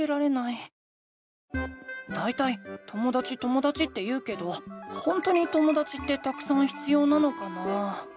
だいたいともだちともだちって言うけどほんとにともだちってたくさん必要なのかな？